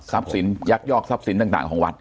สินยักยอกทรัพย์สินต่างของวัด